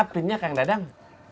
tapi minyak kang dadang